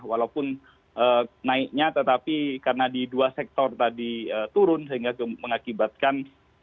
walaupun naiknya tetapi karena di dua sektor tadi turun sehingga mengakibatkan